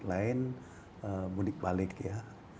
lain mudik balik ya